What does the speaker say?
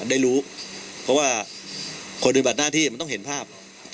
ได้รู้เพราะว่าคนปฏิบัติหน้าที่มันต้องเห็นภาพ